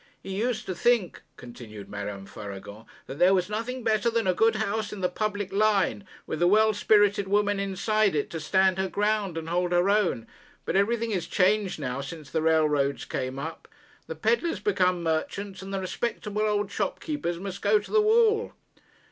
'He used to think,' continued Madame Faragon, 'that there was nothing better than a good house in the public line, with a well spirited woman inside it to stand her ground and hold her own. But everything is changed now, since the railroads came up. The pedlars become merchants, and the respectable old shopkeepers must go to the wall.'